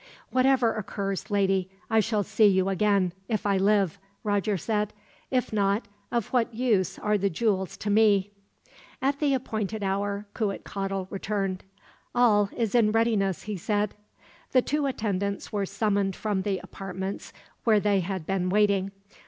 "Whatever occurs, lady, I shall see you again, if I live," Roger said. "If not, of what use are the jewels to me?" At the appointed hour, Cuitcatl returned. "All is in readiness," he said. The two attendants were summoned from the apartments where they had been waiting.